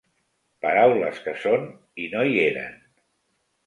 Paraules que són i no hi eren.